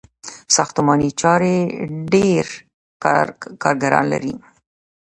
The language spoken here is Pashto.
ساختماني چارې ډیر کارګران لري.